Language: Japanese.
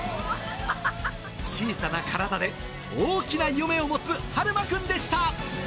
小さな体で大きな夢を持つはるま君でした。